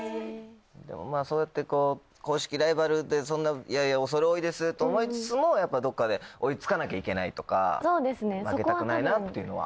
そうやって公式ライバルって畏れ多いですと思いつつもやっぱどこかで追い付かなきゃいけないとか負けたくないなっていうのは。